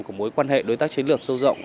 của mối quan hệ đối tác chiến lược sâu rộng